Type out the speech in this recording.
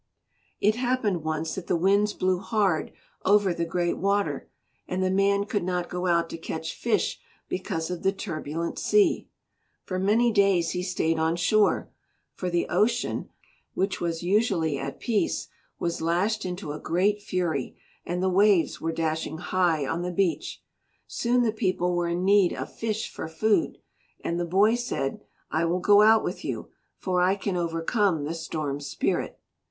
It happened once that the winds blew hard over the Great Water and the man could not go out to catch fish because of the turbulent sea. For many days he stayed on shore, for the ocean, which was usually at peace, was lashed into a great fury and the waves were dashing high on the beach. Soon the people were in need of fish for food. And the boy said, "I will go out with you, for I can overcome the Storm Spirit."